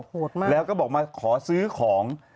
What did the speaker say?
โหดมากแล้วก็บอกมาขอซื้อของ